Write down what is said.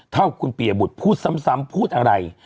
เท่าคุณปียบุตรพูดซ้ำพูดอะไร